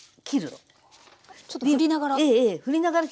ちょっと振りながら。